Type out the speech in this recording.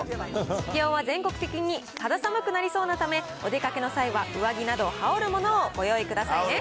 気温は全国的に肌寒くなりそうなため、お出かけの際は、上着など羽織るものをご用意くださいね。